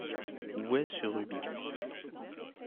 Où est ce Ruby?